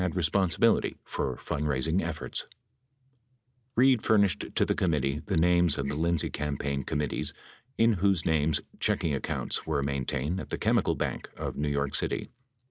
Reid furnished to the committee the names of the Lindsay campaign committees in whose names checking accounts were maintained at the Chemical Bank of New York City.